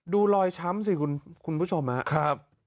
ดูลอยช้ำสิคุณผู้ชมนะ